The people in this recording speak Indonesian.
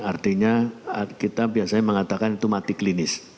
artinya kita biasanya mengatakan itu mati klinis